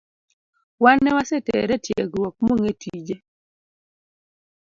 Wan ne wasetere etiegruok mong’e tije